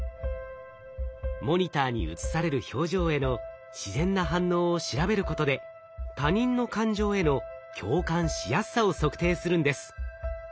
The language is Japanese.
モニターに映される表情への自然な反応を調べることで他人の感情への共感しやすさを測定するんです。